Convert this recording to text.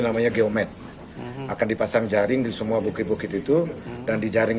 namanya geomed akan dipasang jaring di semua bukit bukit itu dan di jaring